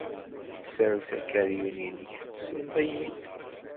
Ssers akeryun-nnek tesleḍ-iyi-d.